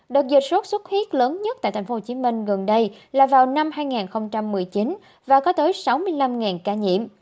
đợt dịch sốt xuất huyết lớn nhất tại tp hcm gần đây là vào năm hai nghìn một mươi chín và có tới sáu mươi năm ca nhiễm